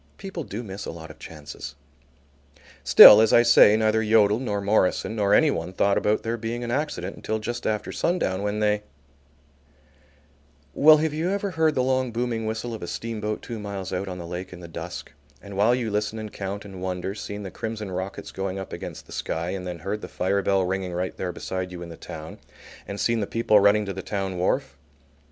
People do miss a lot of chances. Still, as I say, neither Yodel nor Morison nor anyone thought about there being an accident until just after sundown when they Well, have you ever heard the long booming whistle of a steamboat two miles out on the lake in the dusk, and while you listen and count and wonder, seen the crimson rockets going up against the sky and then heard the fire bell ringing right there beside you in the town, and seen the people running to the town wharf?